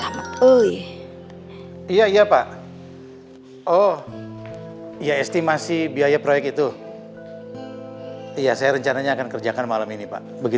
tiga ratus menit tadi gw duluan liat kalo ber operasi